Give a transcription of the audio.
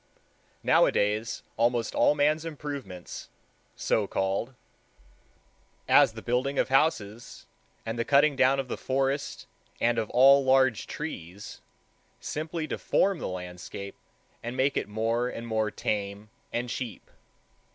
Nowadays almost all man's improvements, so called, as the building of houses and the cutting down of the forest and of all large trees, simply deform the landscape, and make it more and more tame and cheap.